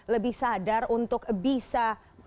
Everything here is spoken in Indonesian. lebih sadar untuk bisa